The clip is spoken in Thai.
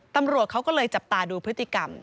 ตำรวจเขาก็เลยจับตาดูพฤติกรรม